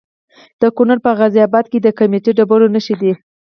د کونړ په غازي اباد کې د قیمتي ډبرو نښې دي.